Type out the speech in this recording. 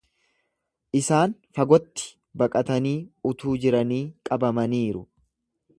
Isaan fagotti baqatanii utuu jiranii qabamaniiru.